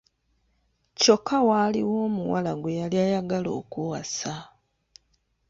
Kyokka waaliwo omuwala gwe yali ayagala okuwasa.